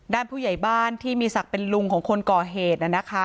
ผู้ใหญ่บ้านที่มีศักดิ์เป็นลุงของคนก่อเหตุ